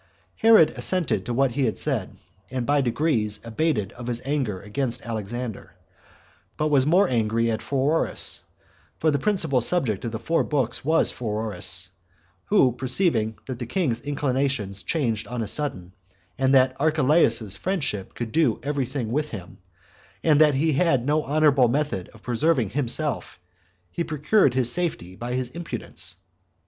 3. Herod assented to what he had said, and, by degrees, abated of his anger against Alexander, but was more angry at Pheroras; for the principal subject of the four books was Pheroras; who perceiving that the king's inclinations changed on a sudden, and that Archelaus's friendship could do every thing with him, and that he had no honorable method of preserving himself, he procured his safety by his impudence.